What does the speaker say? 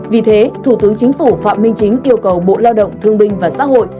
vì thế thủ tướng chính phủ phạm minh chính yêu cầu bộ lao động thương binh và xã hội